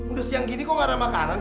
udah siang gini kok gak ada makanan